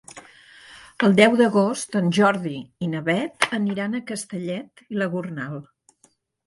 El deu d'agost en Jordi i na Beth aniran a Castellet i la Gornal.